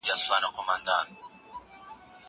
زه به سبا کتابونه وړم وم!؟